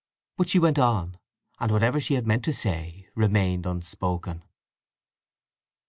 But she went on; and whatever she had meant to say remained unspoken.